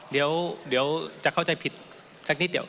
เดี๋ยวจะเข้าใจผิดสักนิดเดียว